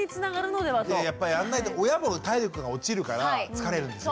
やっぱやんないと親も体力が落ちるから疲れるんですよ。